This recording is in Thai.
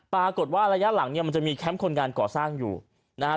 ปรากฏว่าระยะหลังเนี่ยมันจะมีแคมป์คนงานก่อสร้างอยู่นะฮะ